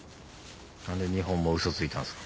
何で２本もウソついたんですか？